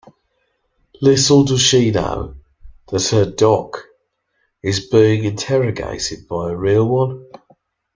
Little does she know that her "dog" is being interrogated by a real one!